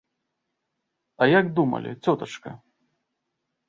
А як думалі, цётачка?